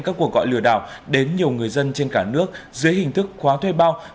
các cuộc gọi lừa đảo đến nhiều người dân trên cả nước dưới hình thức khóa thuê bao